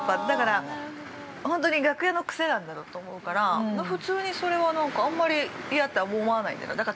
だから、本当に、楽屋の癖なんだろうと思うから、普通にそれは、あんまり、嫌とは思わないんだよね。